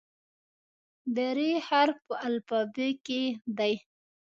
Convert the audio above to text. د "ر" حرف په الفبا کې دی.